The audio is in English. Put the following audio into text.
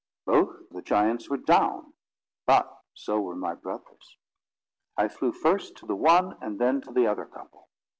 Both the giants were down, but so were my brothers. I flew first to the one and then to the other couple.